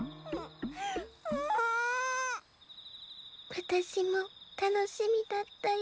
わたしもたのしみだったよ。